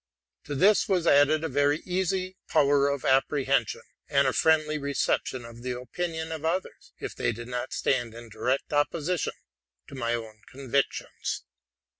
To this was added a very easy power of apprehension, and a friendly reception of the opinions of others, if they did not stand in direct opposition to my own convictions.